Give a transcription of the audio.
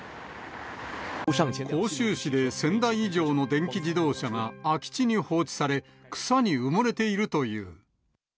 杭州市で１０００台以上の電気自動車が空き地に放置され、草に埋もれているという。